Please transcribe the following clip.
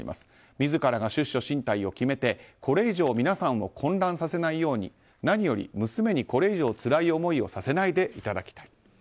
自らが出処進退を決めてこれ以上皆さんを混乱させないように何より娘にこれ以上、つらい思いをさせないでいただきたい。